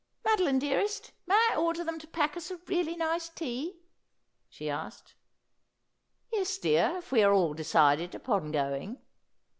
' Madoline, dearest, may I order them to pack us a really nice tea ?' she asked. ' Yes, dear, if we are all decided upon going.'